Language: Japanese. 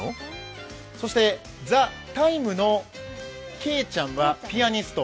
そして「ＴＨＥＴＩＭＥ，」のけいちゃんはピアニスト。